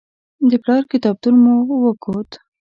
د پلار کتابتون مو وکت.